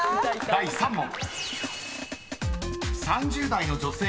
［第３問］